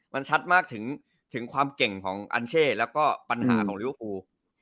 มันชัดมากถึงความเก่งของอัลเช่แล้วก็ปัญหาของลิเวอร์ฟู